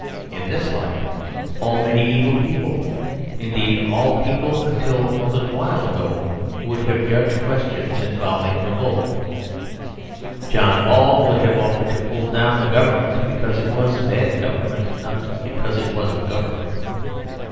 In this light all mediæval people indeed, all people until a little while ago would have judged questions involving revolt. John Ball would have offered to pull down the government because it was a bad government, not because it was a government.